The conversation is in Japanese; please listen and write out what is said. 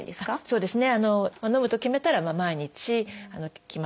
そうですね。